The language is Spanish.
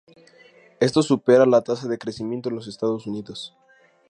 Esto supera la tasa de crecimiento en los Estados Unidos.